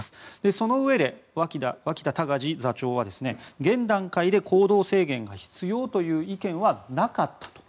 そのうえで脇田隆字座長は現段階で行動制限が必要という意見はなかったと。